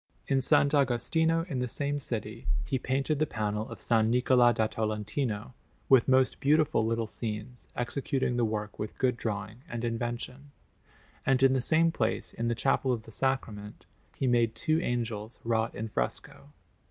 In S. Agostino in the same city he painted the panel of S. Niccola da Tolentino, with most beautiful little scenes, executing the work with good drawing and invention; and in the same place, in the Chapel of the Sacrament, he made two angels wrought in fresco.